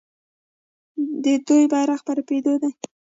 د دوی بیرغ په رپیدو دی.